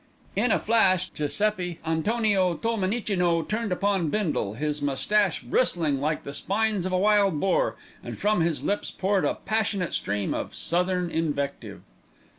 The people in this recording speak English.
In a flash Giuseppi Antonio Tolmenicino turned upon Bindle, his moustache bristling like the spines of a wild boar, and from his lips poured a passionate stream of Southern invective.